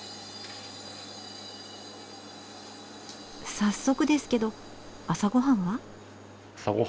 早速ですけど朝ごはんは？